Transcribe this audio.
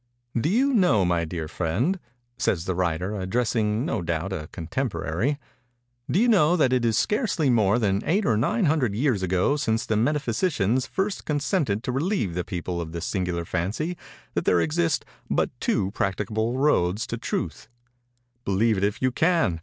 "Do you know, my dear friend," says the writer, addressing, no doubt, a contemporary—"Do you know that it is scarcely more than eight or nine hundred years ago since the metaphysicians first consented to relieve the people of the singular fancy that there exist but two practicable roads to Truth? Believe it if you can!